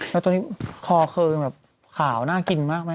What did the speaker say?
แล้วตอนนี้คอเคยแบบขาวน่ากินมากไหม